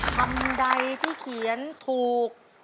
คำใดที่เขียนถูก